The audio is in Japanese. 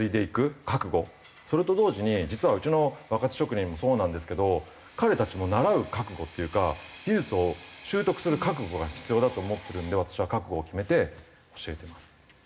それと同時に実はうちの若手職人もそうなんですけど彼たちも習う覚悟っていうか技術を習得する覚悟が必要だと思ってるんで私は覚悟を決めて教えてます。